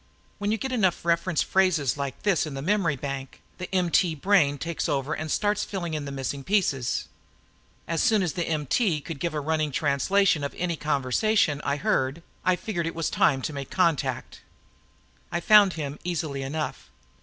When you get enough reference phrases like this in the memory bank, the MT brain takes over and starts filling in the missing pieces. As soon as the MT could give a running translation of any conversation it heard, I figured it was time to make a contact. I found him easily enough.